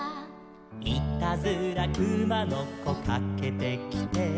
「いたずらくまのこかけてきて」